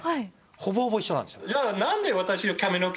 ほぼほぼ一緒なんですよ。